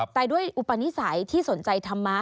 แต่ด้วยอุปนิสัยที่สนใจธรรมะ